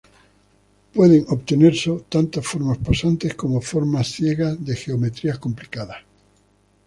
Pueden obtenerse tanto formas pasantes como formas ciegas de geometrías complicadas.